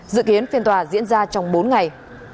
dự kiến phiên tòa diễn ra trong bốn ngày